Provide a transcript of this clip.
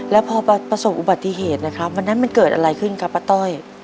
แล้วพอประสบอุบัติเหตุนะครับวันนั้นมันเกิดอะไรขึ้นครับป้าต้อย